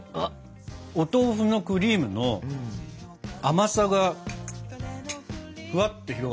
お豆腐のクリームの甘さがふわっと広がって。